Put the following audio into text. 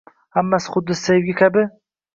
Hammasi xuddi sevgi muhabbat haqidagi kinolardagidek